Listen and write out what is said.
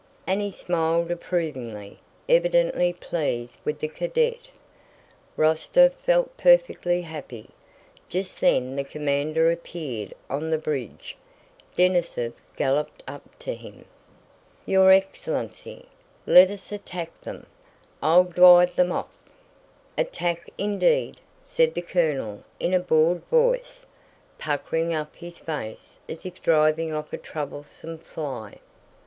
And he smiled approvingly, evidently pleased with the cadet. Rostóv felt perfectly happy. Just then the commander appeared on the bridge. Denísov galloped up to him. "Your excellency! Let us attack them! I'll dwive them off." "Attack indeed!" said the colonel in a bored voice, puckering up his face as if driving off a troublesome fly.